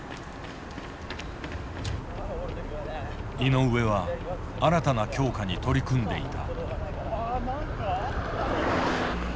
井上は新たな強化に取り組んでいた。